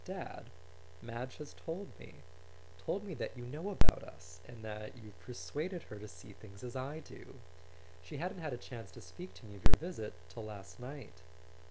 Dad—Madge has told me. Told me that you know about us and that you've persuaded her to see things as I do. She hadn't had a chance to speak to me of your visit till last night."